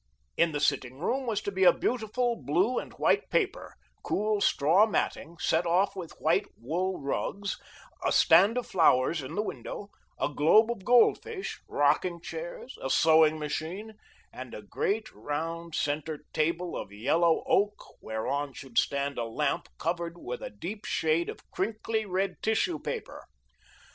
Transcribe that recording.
In the sitting room was to be a beautiful blue and white paper, cool straw matting, set off with white wool rugs, a stand of flowers in the window, a globe of goldfish, rocking chairs, a sewing machine, and a great, round centre table of yellow oak whereon should stand a lamp covered with a deep shade of crinkly red tissue paper.